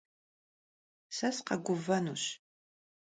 Se sıkheguvenuş.